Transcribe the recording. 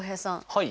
はい。